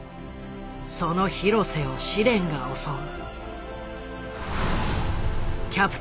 その廣瀬を試練が襲う。